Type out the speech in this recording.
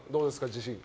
自信。